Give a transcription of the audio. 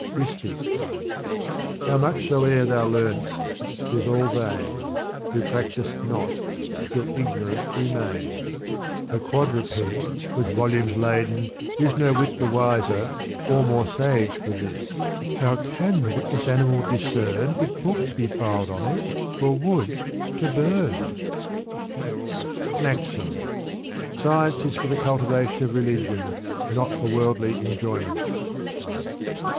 DisHcks. How much soe'er thou leam'st, 'tis all vain ; Who practised not, still ignorant remain. Digitized by Google i \^'^^ Gulistan; or. Rose Garden, A quadruped, with volumes laden, is No whit the wiser or more sage for this : How can the witless animal discern, If books be piled on it? or wood to burn? MAXIM. Science is for the cultivation of religion, not for worldly enjoyments.